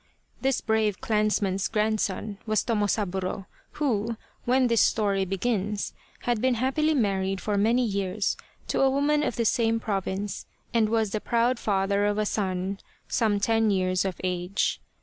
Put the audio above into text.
This brave clansman's grandson was Tomosaburo, who, when this story begins, had been happily mar ried for many years to a woman of the same province and was the proud father of a son some ten years of age.